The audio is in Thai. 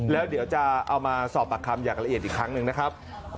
แล้วเดี๋ยวจะเอามาสอบปากคำอย่างละเอียดอีกครั้งหนึ่งนะครับ